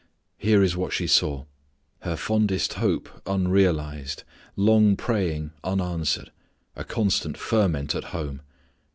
Here is what she saw: her fondest hope unrealized, long praying unanswered, a constant ferment at home.